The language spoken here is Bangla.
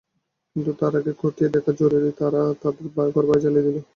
কিন্তু তার আগে খতিয়ে দেখা জরুরি, কারা তাদের ঘরবাড়ি জ্বালিয়ে দিল।